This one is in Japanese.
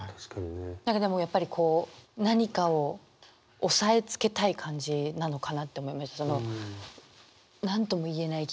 何かでもやっぱりこう何かを抑えつけたい感じなのかなって思いました。